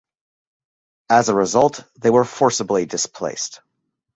As a result, they were forcibly displaced.